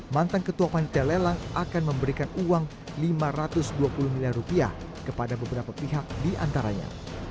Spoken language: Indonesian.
mantan ketua panitia lelang akan memberikan uang lima ratus dua puluh miliar rupiah kepada beberapa pihak diantaranya